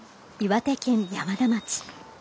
岩手県山田町。